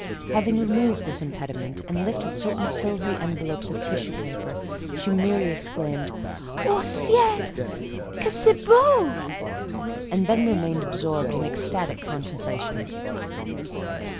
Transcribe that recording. Having removed this impediment, and lifted certain silvery envelopes of tissue paper, she merely exclaimed— "Oh ciel! Que c'est beau!" and then remained absorbed in ecstatic contemplation.